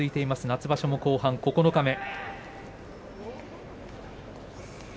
夏場所の後半、九日目。